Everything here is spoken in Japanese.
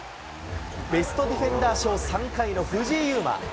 ベストディフェンダー賞３回の藤井祐眞。